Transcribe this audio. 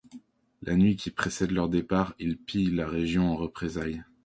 La nuit qui précède leur départ, ils pillent la région en représailles.